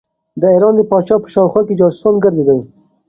د ایران د پاچا په شاوخوا کې جاسوسان ګرځېدل.